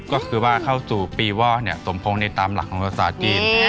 ก็คือว่าเข้าสู่ปีว่อสมพงษ์ในตามหลักของรัฐศาสตร์จีน